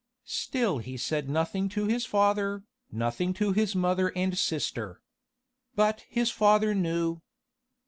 Still he said nothing to his father, nothing to his mother and sister. But his father knew.